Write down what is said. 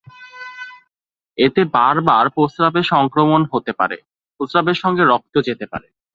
এতে বারবার প্রস্রাবে সংক্রমণ হতে পারে, প্রস্রাবের সঙ্গে রক্ত যেতে পারে।